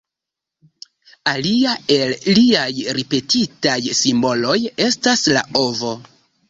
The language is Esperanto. Alia el liaj ripetitaj simboloj estas la ovo.